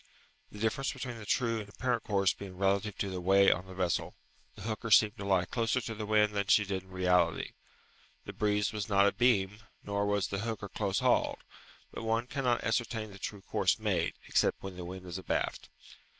The difference between the true and apparent course being relative to the way on the vessel, the hooker seemed to lie closer to the wind than she did in reality. The breeze was not a beam, nor was the hooker close hauled; but one cannot ascertain the true course made, except when the wind is abaft.